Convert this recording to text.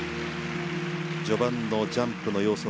序盤のジャンプの要素